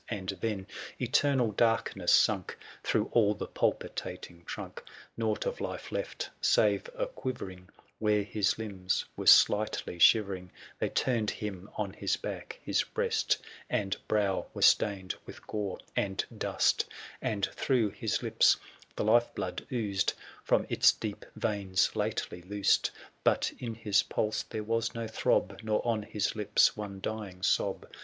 And then eternal darkness sunk Through all the palpitating trunk ; Nought of life left, save a quivering Where his limbs were slightly shivering : They turned him on his back ; his breast 840 And brow were stained with gore and dust, 46 THE SIEGE OF CORINTH. And through his lips the life blood oozed, From its deep veins lately loosed; But in his pulse there was no throb, Nor on his lips one dying sob ; 84.